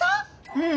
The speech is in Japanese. うん。